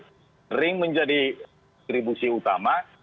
sering menjadi distribusi utama